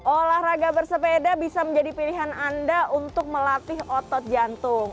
olahraga bersepeda bisa menjadi pilihan anda untuk melatih otot jantung